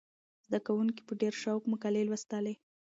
زده کوونکي په ډېر شوق مقالې لوستلې.